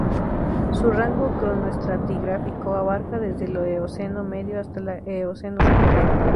Su rango cronoestratigráfico abarca desde el Eoceno medio hasta la Eoceno superior.